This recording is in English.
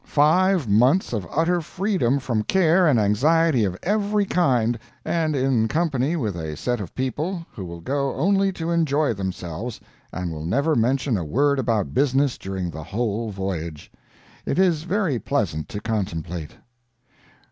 Five months of utter freedom from care and anxiety of every kind, and in company with a set of people who will go only to enjoy themselves, and will never mention a word about business during the whole voyage. It is very pleasant to contemplate.